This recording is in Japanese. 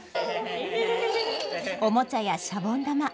おもちゃやシャボン玉。